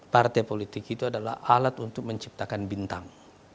partai politik itu adalah alat untuk menciptakan bintang